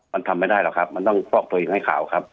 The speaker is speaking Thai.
มันทำไม่ได้หรอกครับมันต้องฟอกตัวเองให้ข่าวครับ